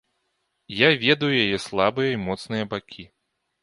Я ведаю яе слабыя і моцныя бакі.